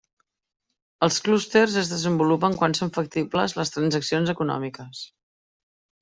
Els clústers es desenvolupen quan són factibles les transaccions econòmiques.